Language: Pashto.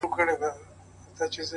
د دغه مار د ويښېدلو کيسه ختمه نه ده;